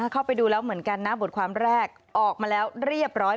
เข้าไปดูแล้วเหมือนกันนะบทความแรกออกมาแล้วเรียบร้อย